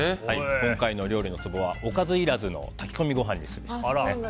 今回の料理のツボはおかずいらずの炊き込みご飯にすべしです。